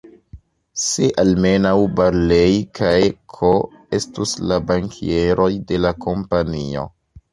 Se almenaŭ Barlei kaj K-o estus la bankieroj de la Kompanio!